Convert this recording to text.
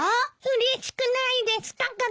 うれしくないですか？